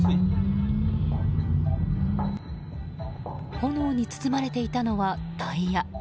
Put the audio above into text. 炎に包まれていたのはタイヤ。